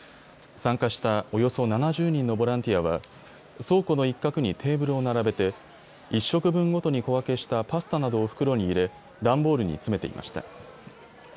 参加したおよそ７０人のボランティアは倉庫の一角にテーブルを並べて１食分ごとに小分けしたパスタなどを袋に入れ段ボールに詰めていました。